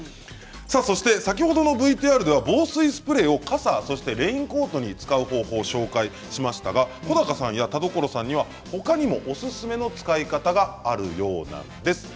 そして先ほどのＶＴＲでは防水スプレーを傘やレインコートに使う方法をご紹介しましたが小高さんや田所さんにはほかにもおすすめの使い方があるそうです。